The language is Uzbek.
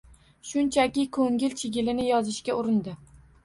Shunchaki ko’ngil chigilini yozishga urindi.